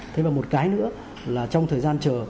thế và một cái nữa là trong thời gian chờ